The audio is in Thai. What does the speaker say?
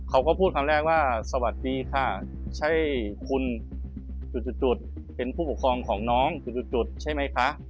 เขาก็พูดคำแรกว่าสวัสดีค่ะใช่คุณจุดเป็นผู้ปกครองของน้องจุดใช่ไหมคะ